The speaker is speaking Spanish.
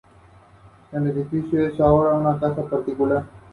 Es una canción "maravillosa", un disco "suave".